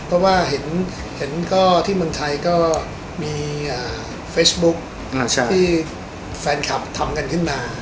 เพราะว่าเห็นก็ที่เมืองไทยก็มีเฟซบุ๊คที่แฟนคลับทำกันขึ้นมา